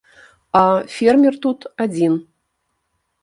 А, фермер тут адзін.